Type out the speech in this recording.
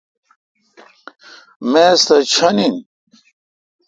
میز تو ݭن این۔